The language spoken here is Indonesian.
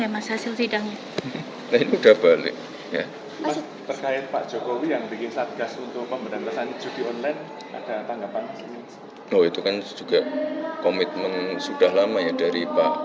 berarti untuk hari ini nggak ada rencana untuk ke sana untuk ke jakarta